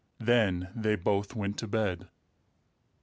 Then they both went to bed.